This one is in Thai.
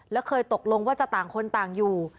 แล้วเคยตกลงว่าจะต่างคนต่างอยู่